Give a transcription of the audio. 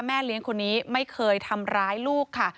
แม่เลี้ยงคนนี้ไม่เคยทำร้ายลูกค่ะ